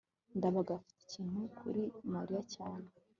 ndabaga afite ikintu kuri mariya cyane